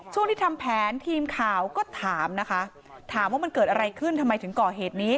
ช่วงที่ทำแผนทีมข่าวก็ถามนะคะถามว่ามันเกิดอะไรขึ้นทำไมถึงก่อเหตุนี้